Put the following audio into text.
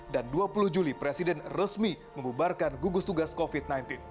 dan dua puluh juli presiden resmi memubarkan gugus tugas covid sembilan belas